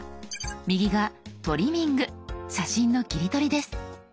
右が「トリミング」写真の切り取りです。